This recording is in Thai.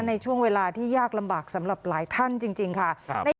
ในช่วงเวลาที่ยากลำบากสำหรับหลายท่านจริงค่ะ